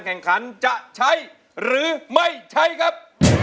แข่งขันจะใช้หรือไม่ใช้ครับ